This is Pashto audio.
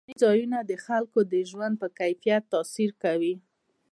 سیلاني ځایونه د خلکو د ژوند په کیفیت تاثیر کوي.